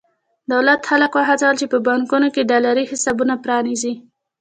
دولت خلک وهڅول چې په بانکونو کې ډالري حسابونه پرانېزي.